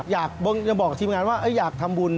อยากจะบอกทีมงานว่าอยากทำบุญ